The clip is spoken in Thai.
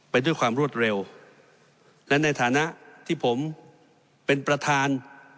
ไปด้วยความรวดเร็วและในฐานะที่ผมเป็นประธาน